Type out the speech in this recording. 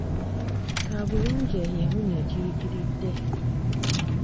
Kaabuyonjo eyo ewunya ekiyitiridde.